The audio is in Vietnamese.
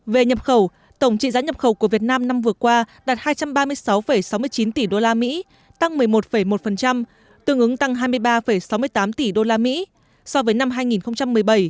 về nhập khẩu tổng trị giá nhập khẩu của việt nam năm vừa qua đạt hai trăm ba mươi sáu sáu mươi chín tỷ usd tăng một mươi một một tương ứng tăng hai mươi ba sáu mươi tám tỷ usd so với năm hai nghìn một mươi bảy